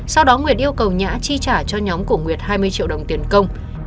sau đó nguyệt yêu cầu nhã chi trả cho nhóm của nguyệt hai mươi triệu đồng tiền công